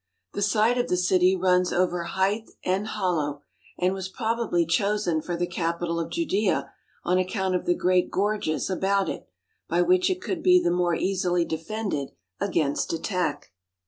The site of the city runs over height and hollow, and was probably chosen for the capital of Judea on account of the great gorges about it, by which it could be the more easily defended against attack.